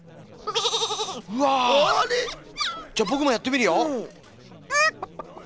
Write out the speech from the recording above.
じゃぼくもやってみるよ。